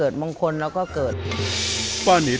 มีหลานชายคนหนึ่งเขาไปสื่อจากคำชโนธ